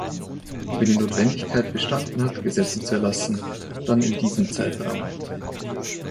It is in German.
Wenn die Notwendigkeit bestanden hat, Gesetze zu erlassen, dann in diesem Zeitraum.